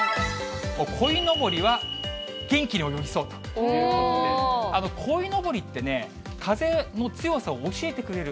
こいのぼりは元気に泳ぎそうということで、こいのぼりってね、風の強さを教えてくれる。